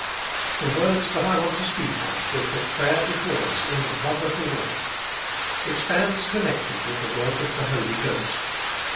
The words that I want to speak on will put prayer before us in a wonderful way. It stands connected with the work of the Holy Ghost.